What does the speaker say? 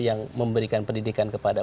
yang memberikan pendidikan kepada